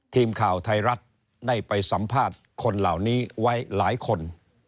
ทีมข่าวไทยรัฐได้ไปสัมภาษณ์คนเหล่านี้ไว้หลายคน